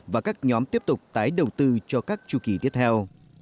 và các nhóm tiếp tục tái đầu tư cho các chu kỳ tiếp theo